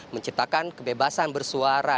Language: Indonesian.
menciptakan kebebasan bersuara